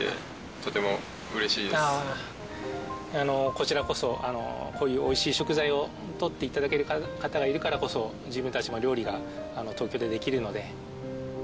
こちらこそこういうおいしい食材を取って頂ける方がいるからこそ自分たちも料理が東京でできるので。